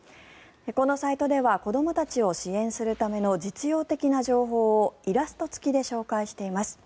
このサイトでは子どもたちを支援するための実用的な情報をイラスト付きで紹介しています。